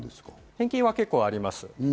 返金は結構あります。